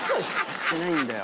歌ってないんだよ。